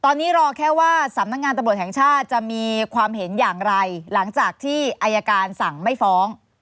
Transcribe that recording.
ตอนนี้รอแค่ว่าสำนักงานตำรวจแห่งชาติจะมีความเห็นอย่างไรหลังจากที่อายการสั่งไม่ฟ้อง